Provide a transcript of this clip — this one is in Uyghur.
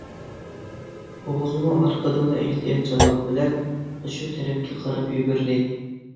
ئوغۇزمۇ ئارقىدىنلا ئېھتىياتچانلىق بىلەن ئاشۇ تەرەپكە قاراپ يۈگۈردى.